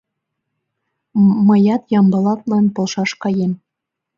Мыят Ямблатлан полшаш каем.